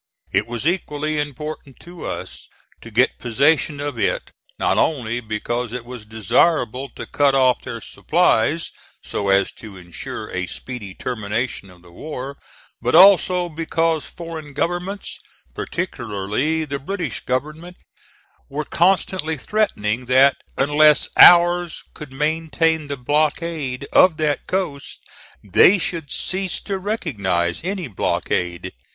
It was equally important to us to get possession of it, not only because it was desirable to cut off their supplies so as to insure a speedy termination of the war, but also because foreign governments, particularly the British Government, were constantly threatening that unless ours could maintain the blockade of that coast they should cease to recognize any blockade.